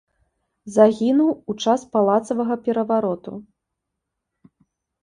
Загінуў у час палацавага перавароту.